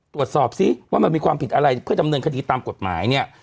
ตรวจสอบซิว่ามันมีความผิดอะไรเพื่อดำเนินคดีตามกฎหมายเนี่ย